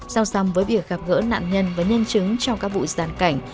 sau xăm với việc gặp gỡ nạn nhân và nhân chứng trong các vụ giàn cảnh